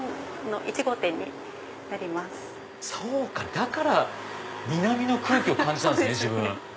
だから南の空気を感じたんですね。